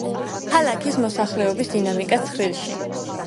ქალაქის მოსახლეობის დინამიკა ცხრილში.